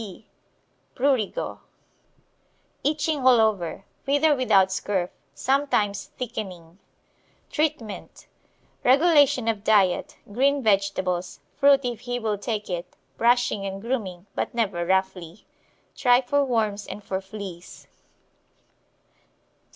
(b) Prurigo. Itching all over, with or without scurf. Sometimes thickening. Treatment Regulation of diet, green vegetables, fruit if he will take it, brushing and grooming, but never roughly. Try for worms and for fleas.